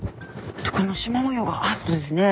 このしま模様があるとですね